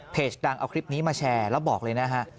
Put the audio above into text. ดังเอาคลิปนี้มาแชร์แล้วบอกเลยนะฮะ